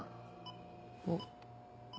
おっ。